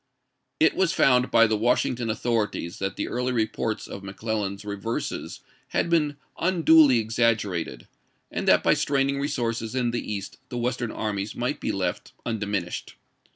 It was found by the Washington authorities that the early reports of McClellan's reverses had been unduly exaggerated, and that by straining resources in the East the Western armies might be left un diminished.